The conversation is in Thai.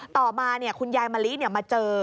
ต่อมาคุณยายมะลิมาเจอ